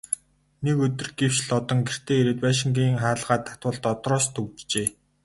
Нэг өдөр гэвш Лодон гэртээ ирээд байшингийн хаалгаа татвал дотроос түгжжээ.